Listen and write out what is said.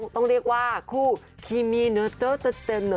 ต้องเรียกว่าคู่ครีมี่เนอโตติฟเนนนเน๊ฟ